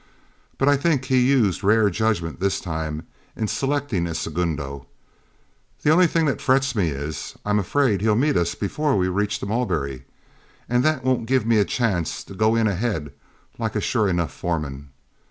But I think he used rare judgment this time in selecting a segundo. The only thing that frets me is, I'm afraid he'll meet us before we reach the Mulberry, and that won't give me any chance to go in ahead like a sure enough foreman.